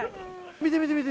見て見て！